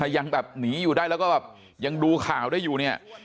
ยังแบบหนีอยู่ได้แล้วก็แบบยังดูข่าวได้อยู่เนี่ย